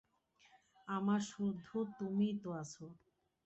আমার শুধু তুমিই তো আছ।